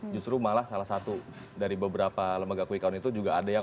justru malah salah satu dari beberapa lembaga quick count itu juga ada yang